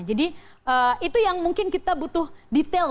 jadi itu yang mungkin kita butuh detail